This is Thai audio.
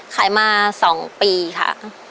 ขายมา๒ปีค่ะ